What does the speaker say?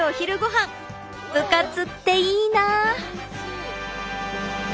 部活っていいな！